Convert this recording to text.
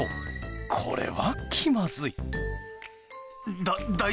これは気まずい。